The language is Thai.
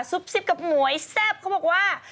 ซิบกับหมวยแซ่บเขาบอกว่า